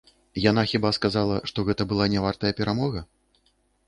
Яна хіба сказала, што гэта была нявартая перамога?